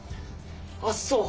あっそう。